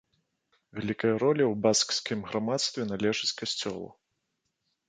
Вялікая роля ў баскскім грамадстве належыць касцёлу.